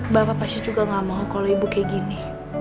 bapak pasti juga gak mau kalau ibu kayak gini